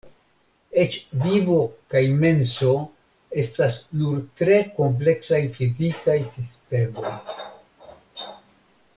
Eĉ vivo kaj menso estas nur tre kompleksaj fizikaj sistemoj.